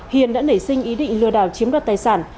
hiền đã nảy sinh ý định lừa đảo chiếm đoạt tài sản